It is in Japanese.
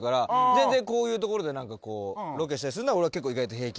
全然こういうところでロケしたりするのは結構意外と平気。